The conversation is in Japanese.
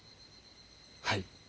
はい。